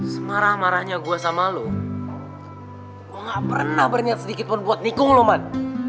semarah marahnya gue sama lo gue gak pernah berniat sedikitpun buat nikung lo man